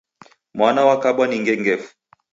Mwana wakabwa ni ngengefu.